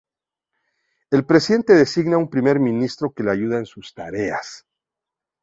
El presidente designa un primer ministro que le ayuda en sus tareas.